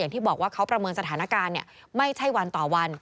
ที่บอกว่าเขาประเมินสถานการณ์ไม่ใช่วันต่อวัน